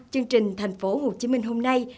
chương trình thành phố hồ chí minh hôm nay